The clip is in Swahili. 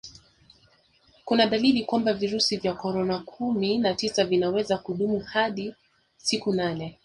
kuna dalili kwamba virusi vya korona kumi na tisa vinaweza kudumu hadi siku nane